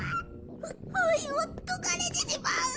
ふ封印を解かれてしまう。